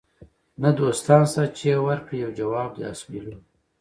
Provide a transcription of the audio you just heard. نه دوستان سته چي یې ورکړي یو جواب د اسوېلیو